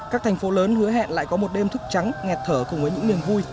các thành phố lớn hứa hẹn lại có một đêm thức trắng nghẹt thở cùng với những niềm vui